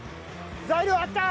材料あった！